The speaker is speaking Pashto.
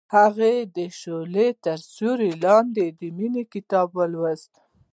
هغې د شعله تر سیوري لاندې د مینې کتاب ولوست.